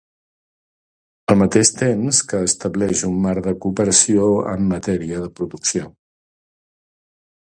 Al mateix temps que establix un marc de cooperació en matèria de producció.